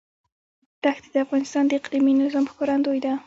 دښتې د افغانستان د اقلیمي نظام ښکارندوی ده.